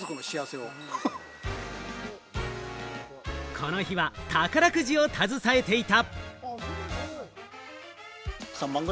この日は宝くじを携えていた。